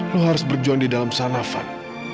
lo harus berjuang di dalam sana fad